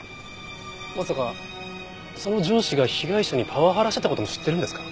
まさかその上司が被害者にパワハラしてた事も知ってるんですか？